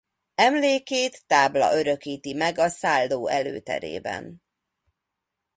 Emlékét tábla örökíti meg a szálló előterében.